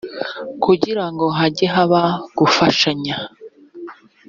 kugirango hajye haba gufashanya